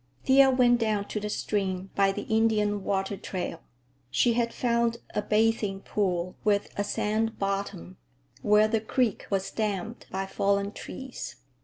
Thea went down to the stream by the Indian water trail. She had found a bathing pool with a sand bottom, where the creek was damned by fallen trees.